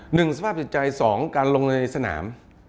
หนึ่งสภาพจิตใจสองการลงในสนาม